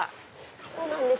そうなんです。